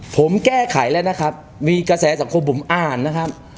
ผมแก้ไขแล้วนะครับมีกระแสสังคมผมอ่านนะครับ